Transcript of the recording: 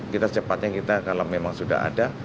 kita secepatnya kita kalau memang sudah ada